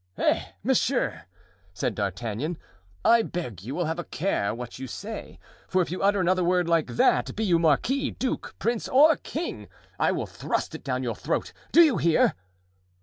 "Eh! monsieur!" said D'Artagnan, "I beg you will have a care what you say; for if you utter another word like that, be you marquis, duke, prince or king, I will thrust it down your throat! do you hear?"